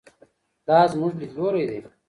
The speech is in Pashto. دا زموږ لیدلوری دی.